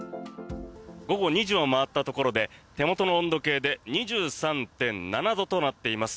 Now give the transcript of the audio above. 午後２時を回ったところで手元の温度計で２３．７度となっています。